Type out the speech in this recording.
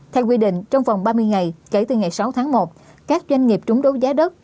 theo quy định trong vòng ba mươi ngày kể từ ngày sáu tháng một các doanh nghiệp trúng đấu giá đất